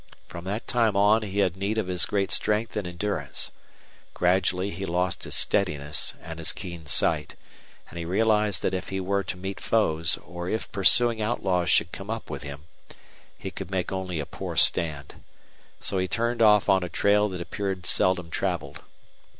From that time on he had need of his great strength and endurance. Gradually he lost his steadiness and his keen sight; and he realized that if he were to meet foes, or if pursuing outlaws should come up with him, he could make only a poor stand. So he turned off on a trail that appeared seldom traveled.